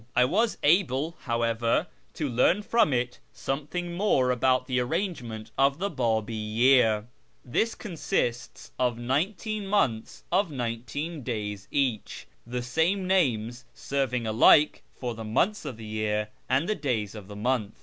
I was able, however, to learn from it something more about the arrangement of the Babi year. This consists of nineteen months of nineteen days each, the same names serving alike for the months of the year and the days of the month.